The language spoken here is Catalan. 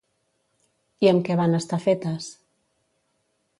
I amb què van estar fetes?